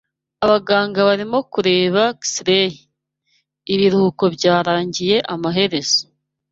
Abaganga barimo kureba x-ray. Ibiruhuko byarangiye amaherezo.